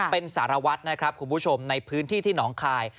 เป็นสารวัตรนะครับคุณผู้ชมในพื้นที่ที่หนองคาย